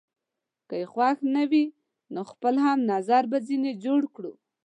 که يې خوښ نه وي، نو خپل هم نظره به ځینې جوړ کړو.